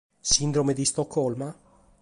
Sindrome de Stocolma?